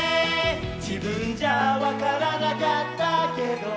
「じぶんじゃわからなかったけど」